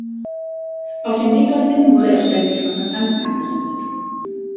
Auf dem Weg dorthin wurde er ständig von Passanten angerempelt.